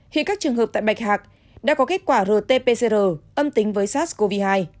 hiện các trường hợp tại bạch hạc đã có kết quả rt pcr âm tính với sars cov hai